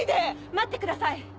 待ってください！